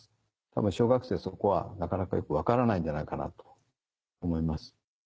多分小学生そこはなかなかよく分からないんじゃないかなと思います。